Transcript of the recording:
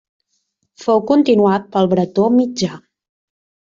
Fou continuat pel bretó mitjà.